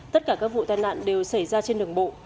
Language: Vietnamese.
tất cả các vụ tai nạn đều xảy ra trên đường bộ